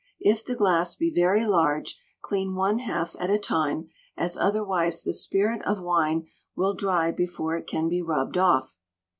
If the glass be very large, clean one half at a time, as otherwise the spirit of wine will dry before it can be rubbed off.